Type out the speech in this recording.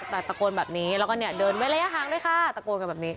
แต่ตะโกนแบบนี้แล้วก็เนี่ยเดินเว้นระยะห่างด้วยค่ะตะโกนกันแบบนี้